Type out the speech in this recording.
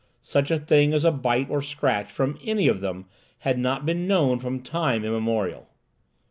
Such a thing as a bite or scratch from any of them had not been known from time immemorial.